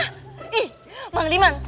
ih bang liman